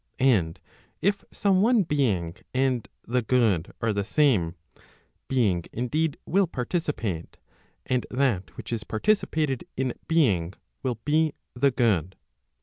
And [if some one being and the good are the same] being indeed will participate, and that which is participated in being will be the good.